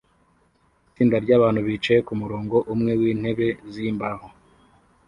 Itsinda ryabantu bicaye kumurongo umwe wintebe zimbaho